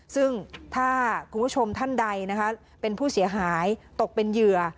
ซึ่งถ้าคุณผู้ชมท่านใดนะคะเป็นผู้เสียหายตกเป็นเหยื่อ